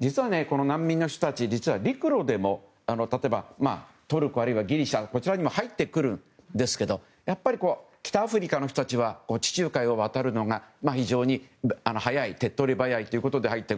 実は、この難民の人たち陸路でも例えば、トルコあるいはギリシャこちらにも入ってくるんですけどやっぱり北アフリカの人たちは地中海を渡るのが非常に早い手っ取り早いということで入ってくる。